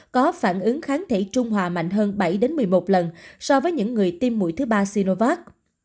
có phản ứng kháng thể trung hòa mạnh hơn bảy một mươi một lần so với những người tiêm mũi thứ ba siriovat